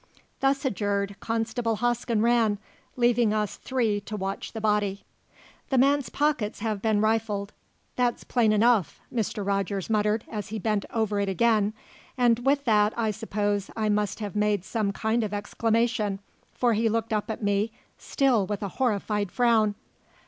Thus adjured, Constable Hosken ran, leaving us three to watch the body. "The man's pockets have been rifled, that's plain enough," Mr. Rogers muttered, as he bent over it again, and with that I suppose I must have made some kind of exclamation, for he looked up at me, still with a horrified frown.